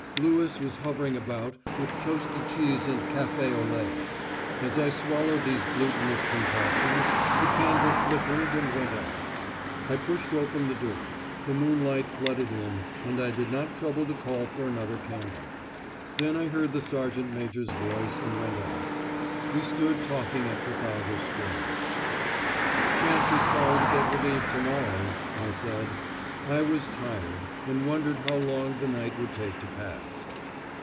Lewis was hovering about with toasted cheese and café au lait. As I swallowed these glutinous concoctions, the candle flickered and went out. I pushed open the door: the moonlight flooded in, and I did not trouble to call for another candle. Then I heard the sergeant major's voice, and went out. We stood talking at Trafalgar Square. "Shan't be sorry to get relieved to morrow," I said. I was tired, and I wondered how long the night would take to pass.